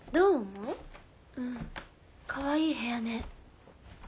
うんかわいい部屋ね。